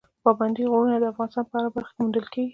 پابندي غرونه د افغانستان په هره برخه کې موندل کېږي.